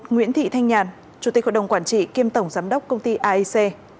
nguyễn thị thanh nhàn chủ tịch hội đồng quản trị kiêm tổng giám đốc công ty aic